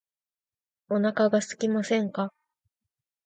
お腹がすきませんか